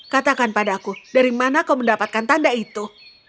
katakan padaku dari mana kau mendapatkan tanda itu